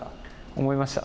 思いました、